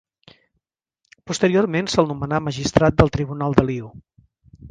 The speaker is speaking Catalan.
Posteriorment se'l nomenà magistrat del Tribunal de Lió.